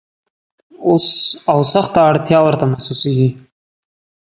او سخته اړتیا ورته محسوسیږي.